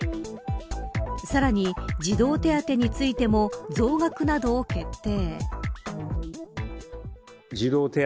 さらに児童手当についても増額などを決定。